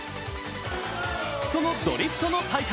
そのドリフトの大会。